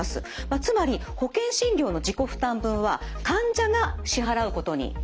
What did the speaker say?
つまり保険診療の自己負担分は患者が支払うことになります。